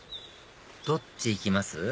どっちへ行きます？